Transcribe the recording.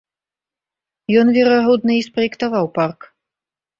Ён, верагодна, і спраектаваў парк.